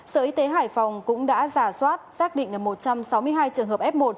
sở y tế hải phòng cũng đã giả soát xác định được một trăm sáu mươi hai trường hợp f một